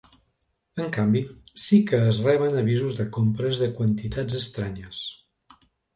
En canvi, sí que es reben avisos de compres de quantitats estranyes.